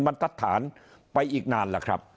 มาตรฐานไปอีกนานล่ะครับ